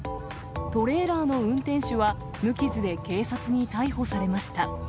トレーラーの運転手は、無傷で警察に逮捕されました。